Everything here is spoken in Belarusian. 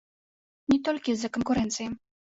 Не толькі з-за канкурэнцыі.